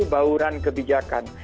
melakukan satu bauran kebijakan